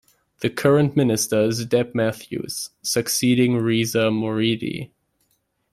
The current minister is Deb Matthews, succeeding Reza Moridi.